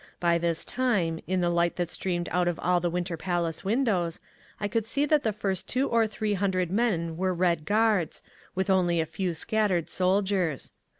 By this time, in the light that streamed out of all the Winter Palace windows, I could see that the first two or three hundred men were Red Guards, with only a few scattered soldiers.